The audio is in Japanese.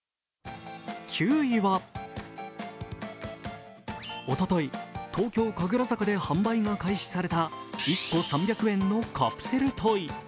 ９位は、おととい、東京・神楽坂で販売が開始された１個３００円のカプセルトイ。